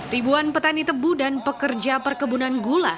ribuan petani tebu dan pekerja perkebunan gula